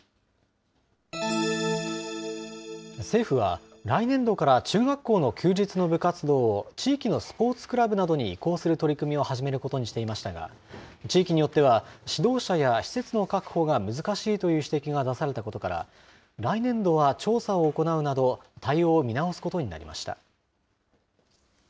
政府は、来年度から中学校の休日の部活動を地域のスポーツクラブなどに移行する取り組みを始めることにしていましたが、地域によっては指導者や施設の確保が難しいという指摘が出されたことから、来年度は調査を行うなど、対応を見直すことになりました。